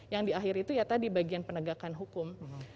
yang di akhir itu ya tadi bagian penegakan hukum